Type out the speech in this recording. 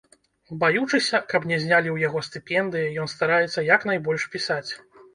Баючыся, каб не знялі ў яго стыпендыі, ён стараецца як найбольш пісаць.